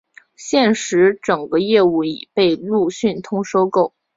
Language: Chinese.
现时整个业务已被路讯通收购。